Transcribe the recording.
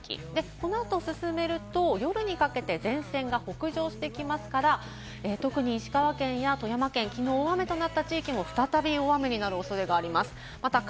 この後、進めると、夜にかけて前線が北上してきますから、特に石川県や富山県、きのう大雨となった地域も再び大雨になる恐れがあります。